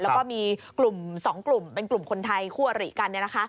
แล้วก็มีกลุ่มสองกลุ่มเป็นกลุ่มคนไทยคั่วหรี่กันเนี่ยนะคะ